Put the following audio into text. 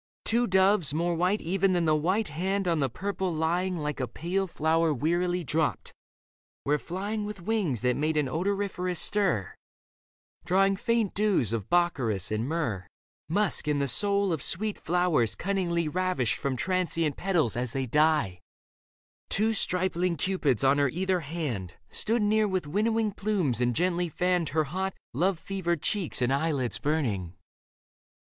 Two doves, more white Even than the white hand on the purple lying Like a pale flower wearily dropped, were flying With wings that made an odoriferous stir. Dropping faint dews of bakkaris and myrrh, Musk and the soul of sweet flowers cunningly Ravished from transient petals as they die. Two stripling cupids on her either hand Stood near with winnowing plumes and gently fanned Her hot, love fevered cheeks and eyelids burning.